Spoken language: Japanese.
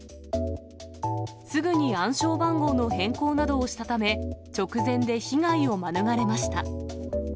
すぐに暗証番号の変更などをしたため、直前で被害を免れました。